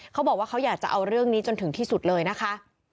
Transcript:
เขาบอกว่าเขาอยากจะเอาเรื่องนี้จนถึงที่สุดเลยนะคะ